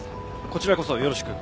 こちらこそよろしく。